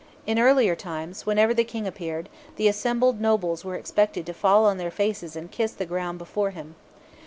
In earlier times, whenever the King appeared, the assembled nobles were expected to fall on their faces and kiss the ground before him.